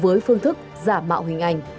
với phương thức giả mạo hình ảnh